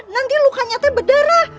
nanti lukanya teh berdarah